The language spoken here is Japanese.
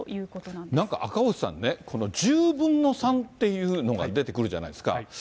なんか赤星さんね、この１０分の３っていうのが出てくるじゃないですか。